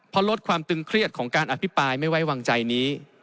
เพราะลดความตึงเครียดของการอภิปรายไม่ไว้วางใจนี้